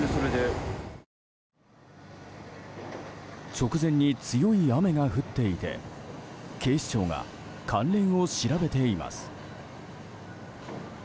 直前に強い雨が降っていて警視庁が関連を調べています。